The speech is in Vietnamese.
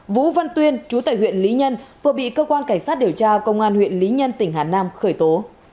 vũ văn tuyên chú tại huyện lý nhân vừa bị cơ quan cảnh sát điều tra công an huyện lý nhân tỉnh hà nam khởi tố